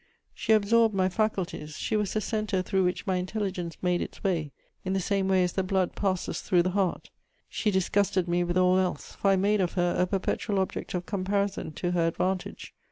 She absorbed my faculties; she was the centre through which my intelligence made its way, in the same way as the blood passes through the heart; she disgusted me with all else, for I made of her a perpetual object of comparison to her advantage.